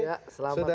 ya selamat malam